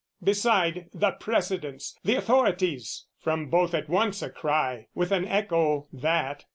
"Beside, the precedents, the authorities!" From both at once a cry with an echo, that!